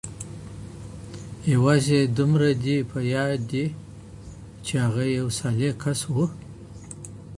يوازي دومره دې په ياد دي، چي هغه يو صالح کس وو؟